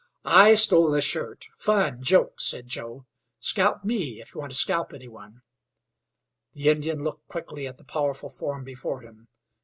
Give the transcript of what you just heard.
"I stole the shirt fun joke," said Joe. "Scalp me if you want to scalp anyone." The Indian looked quickly at the powerful form before him.